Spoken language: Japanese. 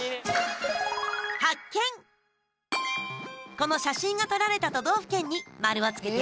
この写真が撮られた都道府県に丸をつけて！